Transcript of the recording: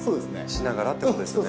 しながらってことですよね。